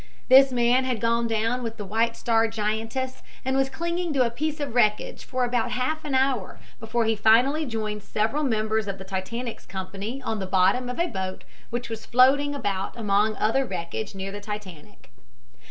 This man had gone down with the White Star giantess and was clinging to a piece of wreckage for about half an hour before he finally joined several members of the Titanic's company on the bottom of a boat which was floating about among other wreckage near the Titanic.